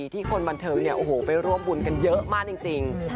ที่คนบันเทิงไปร่วมบุญกันเยอะมากจริง